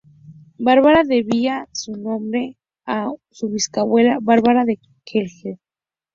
Bárbara debía su nombre a su bisabuela Bárbara de Celje.